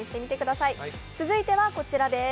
続いてはこちらです。